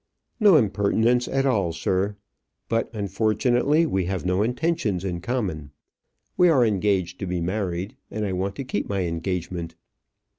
"No impertinence at all, sir. But, unfortunately, we have no intentions in common. We are engaged to be married, and I want to keep my engagement."